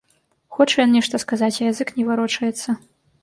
Хоча ён нешта сказаць, а язык не варочаецца.